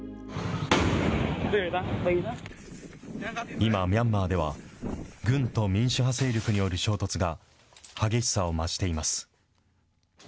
今、ミャンマーでは、軍と民主派勢力による衝突が激しさを増しています。